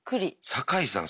坂井さん